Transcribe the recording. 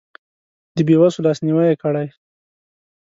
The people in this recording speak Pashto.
د بې وسو لاسنیوی یې کړی.